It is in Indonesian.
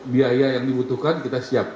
biaya yang dibutuhkan kita siap